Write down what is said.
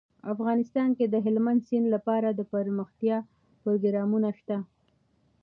افغانستان کې د هلمند سیند لپاره دپرمختیا پروګرامونه شته.